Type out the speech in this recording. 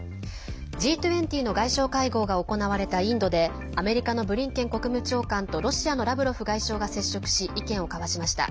Ｇ２０の外相会合が行われたインドでアメリカのブリンケン国務長官とロシアのラブロフ外相が接触し意見を交わしました。